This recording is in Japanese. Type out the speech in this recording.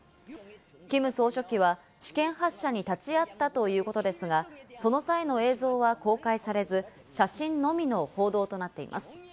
キム総書記は試験発射に立ち会ったということですが、その際の映像は公開されず、写真のみの報道となっています。